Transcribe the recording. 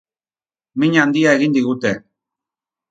Min handia egin digute.